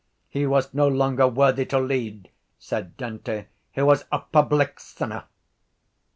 —He was no longer worthy to lead, said Dante. He was a public sinner.